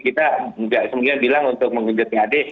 kita sebagian bilang untuk menggunjungi pad